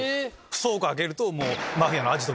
倉庫開けると。